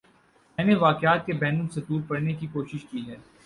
میں نے واقعات کے بین السطور پڑھنے کی کوشش کی ہے۔